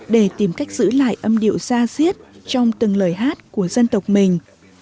để tìm cách giữ lại âm điệu xa xiết trong từng lời hát của dân tộc mình